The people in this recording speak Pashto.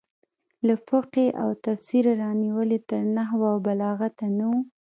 له فقهې او تفسیره رانیولې تر نحو او بلاغته نه وو.